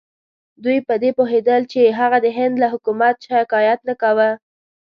دوی په دې پوهېدل چې هغه د هند له حکومت شکایت نه کاوه.